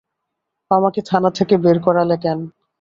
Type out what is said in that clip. আমাকে থানা থেকে বের করালে কেন?